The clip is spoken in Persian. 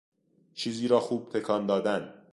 چیزی را خوب تکان دادن